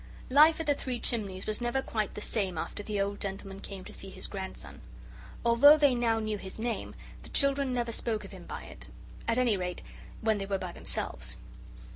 Life at the Three Chimneys was never quite the same again after the old gentleman came to see his grandson. Although they now knew his name, the children never spoke of him by it at any rate, when they were by themselves.